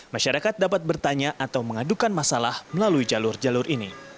masyarakat dapat bertanya atau mengadukan masalah melalui jalur jalur ini